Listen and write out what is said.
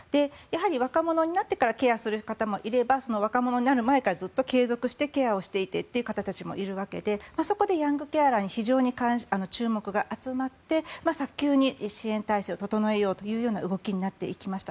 若者になってからケアする方もいれば若者になる前からずっと継続してケアをしている方もいるわけで、そこでヤングケアラーに非常に注目が集まって早急に支援体制を整えようという動きになっていきました。